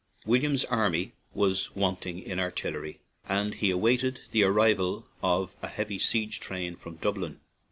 William's army was wanting in artillery, and he awaited the arrival of a heavy siege train from Dublin.